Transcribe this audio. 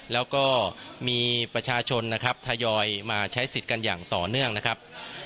แล้วก็มีประชาชนนะครับทยอยมาใช้สิทธิ์กันอย่างต่อเนื่องนะครับ